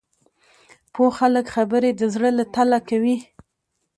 پوه خلک خبرې د زړه له تله کوي